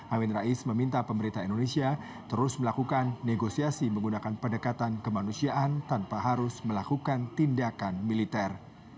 amin rais meminta pemerintah indonesia terus melakukan negosiasi menggunakan pendekatan kemanusiaan tanpa harus melakukan tindakan militer